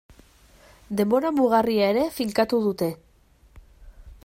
Denbora mugarria ere finkatu dute.